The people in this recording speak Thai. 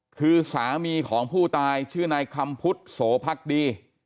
คือสามีของผู้ตายชื่อนายคำพุทธโสพักดี